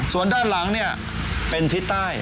ส่วนด้านหลังเนี่ยเป็นทิศใต้